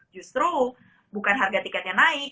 justru bukan harga tiketnya naik